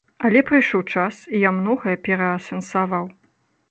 Але прыйшоў час, і я многае пераасэнсаваў.